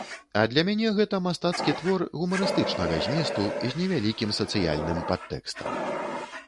А для мяне гэта мастацкі твор гумарыстычнага зместу з невялікім сацыяльным падтэкстам.